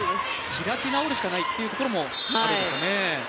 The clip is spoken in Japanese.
開き直るしかないっていうところもあるんですかね。